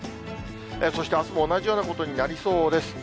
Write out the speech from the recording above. そしてあすも同じようなことになりそうです。